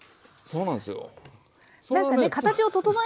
そうなんですよ。